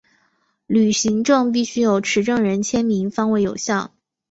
旅行证必须有持证人签名方为有效。